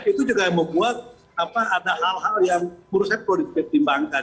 itu juga membuat ada hal hal yang kurusnya perlu dibimbangkan